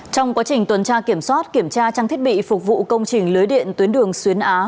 trong quá trình tuần tra kiểm soát kiểm tra trang thiết bị phục vụ công trình lưới điện tuyến đường xuyến á